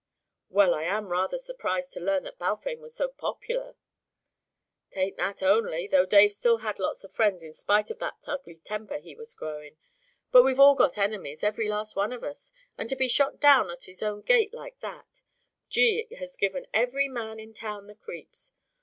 "Well, I am rather surprised to learn that Balfame was so popular " "'Tain't that only though Dave still had lots of friends in spite of that ugly temper he was growin'; but we've all got enemies every last one of us and to be shot down at his own gate like that Gee, it has given every man in town the creeps.